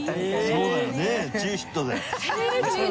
そうだよね中ヒットで。